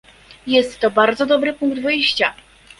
Jest to bardzo dobry punkt wyjścia